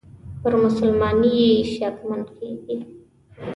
پر مسلماني یې شکمن کیږي.